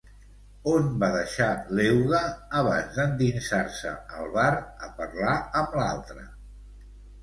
On va deixar l'euga abans d'endinsar-se al bar a parlar amb l'altre?